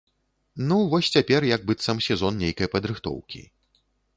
Ну, вось цяпер як быццам сезон нейкай падрыхтоўкі.